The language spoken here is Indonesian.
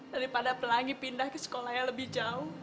daripada pelangi pindah ke sekolah yang lebih jauh